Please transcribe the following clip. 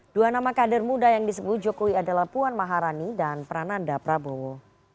dua nama kader muda yang disebut jokowi adalah puan maharani dan prananda prabowo